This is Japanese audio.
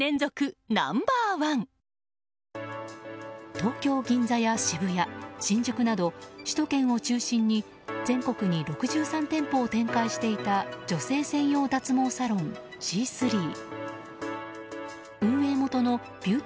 東京・銀座や渋谷、新宿など首都圏を中心に全国に６３店舗を展開していた女性専用脱毛サロン、シースリー。